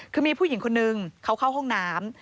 คือมีผู้หญิงคนนึงเขาเข้าห้องน้ำ